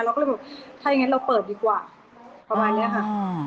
เราก็เลยบอกถ้าอย่างงั้นเราเปิดดีกว่าประมาณเนี้ยค่ะ